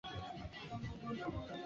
mkuu wa polisi generali john nubi